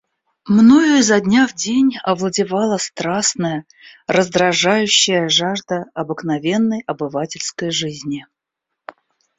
Мною изо дня в день овладевала страстная, раздражающая жажда обыкновенной, обывательской жизни.